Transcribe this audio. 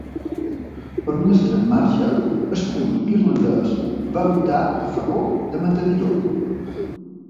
Per un estret marge, el públic irlandès va votar a favor de mantenir-ho.